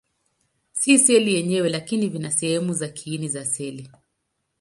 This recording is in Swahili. Si seli yenyewe, lakini vina sehemu za kiini cha seli.